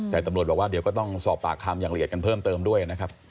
แต่ตำรวจบอกว่าเดี๋ยวก็ต้องสอบปากคำอย่างละเอียดกันเพิ่มเติมด้วยนะครับ